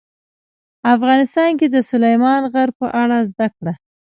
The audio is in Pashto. افغانستان کې د سلیمان غر په اړه زده کړه.